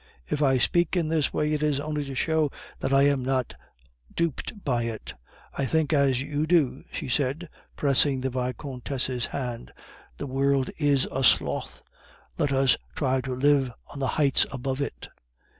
If I speak in this way, it is only to show that I am not duped by it. I think as you do," she said, pressing the Vicomtesse's hand. "The world is a slough; let us try to live on the heights above it."